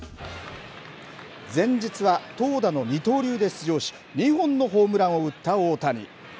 前日は投打の二刀流で出場し２本のホームランを打った大谷。